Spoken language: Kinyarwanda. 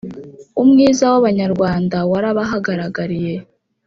umwiza w’abanyarwanda warabahagaragariye